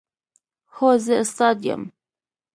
هو، زه استاد یم